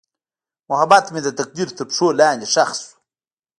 محبت مې د تقدیر تر پښو لاندې ښخ شو.